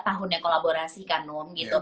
tahunnya kolaborasi kanum gitu